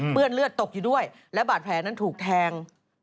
เลือดเลือดตกอยู่ด้วยและบาดแผลนั้นถูกแทง